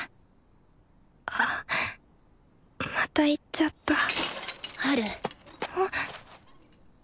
あまた言っちゃったハル。